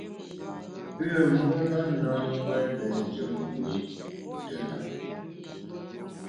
Pü mùra na ngbète njù mbùm ntùndap.